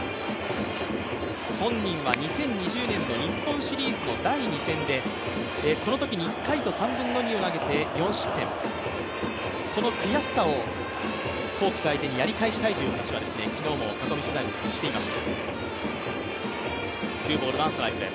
本人は２０２０年の日本シリーズの第２戦で、このときに１回と３分の２を投げて４失点、この悔しさをホークス相手にやり返したいという話を昨日も囲み取材のときにしていました。